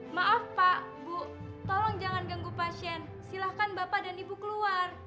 maaf pak bu tolong jangan ganggu pasien silahkan bapak dan ibu keluar